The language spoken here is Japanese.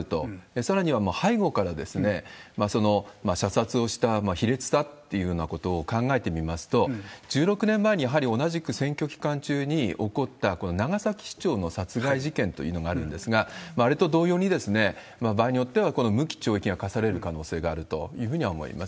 さらには背後から射殺をした卑劣さっていうようなことを考えてみますと、１６年前にやはり同じく選挙期間中に起こった長崎市長の殺害事件というのがあるんですが、あれと同様に、場合によってはこの無期懲役が科される可能性があるというふうには思います。